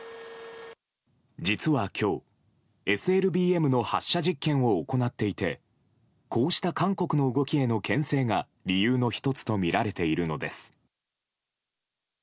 実は今日ＳＬＢＭの発射実験を行っていてこうした韓国の動きへの牽制が理由の１つとみられているのです。